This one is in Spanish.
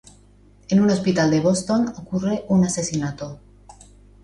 En un hospital de Boston ocurre un asesinato.